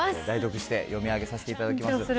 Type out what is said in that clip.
代読して読み上げさせていただきます。